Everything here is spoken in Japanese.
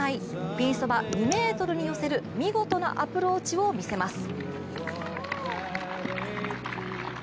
ピンそば２ｍに寄せる見事なアプローチを見せます。